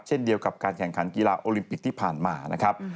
เช่นเดียวกับการแข่งขันกีฬาโอลิมปิกที่ผ่านมานะครับ